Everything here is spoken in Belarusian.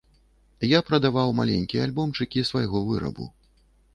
Я прадаваў маленькія альбомчыкі свайго вырабу.